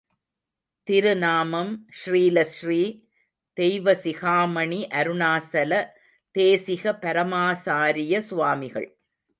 திருநாமம் ஸ்ரீலஸ்ரீ தெய்வசிகாமணி அருணாசல தேசிக பரமாசாரிய சுவாமிகள்.